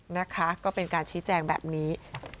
นะคะก็เป็นการชี้แจงแบบนี้